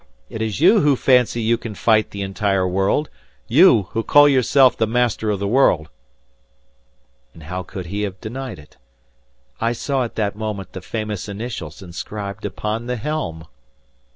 It is you who fancy you can fight the entire world. You, who call yourself the Master of the World!" And how could he have denied it! I saw at that moment the famous initials inscribed upon the helm!